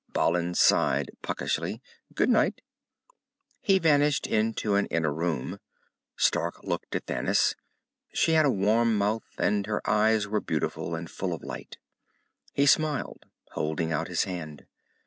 Balin sighed puckishly. "Good night." He vanished into an inner room. Stark looked at Thanis. She had a warm mouth, and her eyes were beautiful, and full of light. He smiled, holding out his hand.